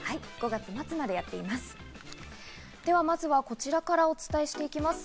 ５月末までやっています。